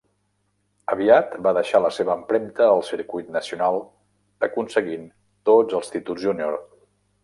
Aviat va deixar la seva empremta al circuit nacional aconseguint tots els títols júnior.